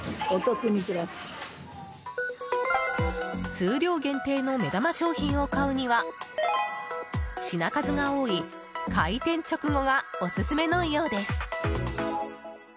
数量限定の目玉商品を買うには品数が多い開店直後がオススメのようです。